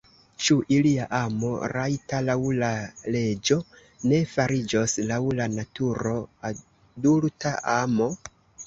Ĉu ilia amo, rajta laŭ la leĝo, ne fariĝos laŭ la naturo adulta amo?